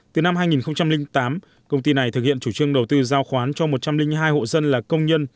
từ năm hai nghìn tám công ty này thực hiện chủ trương đầu tư giao khoán cho một trăm linh hai hộ dân là công nhân